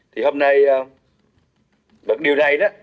thì hôm nay bằng điều này đó